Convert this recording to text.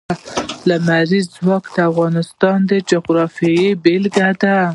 لمریز ځواک د افغانستان د جغرافیې بېلګه ده.